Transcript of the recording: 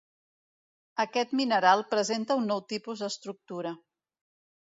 Aquest mineral presenta un nou tipus d'estructura.